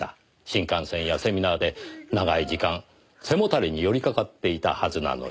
新幹線やセミナーで長い時間背もたれに寄りかかっていたはずなのに。